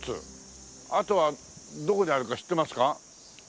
あとはどこにあるか知ってますか？